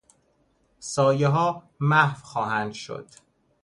سایهها محو خواهند شد.